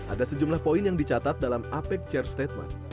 ada sejumlah poin yang dicatat dalam apec chair statement